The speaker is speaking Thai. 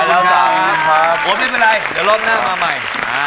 โอ้ไม่เป็นไรเดี๋ยวรอบหน้ามาใหม่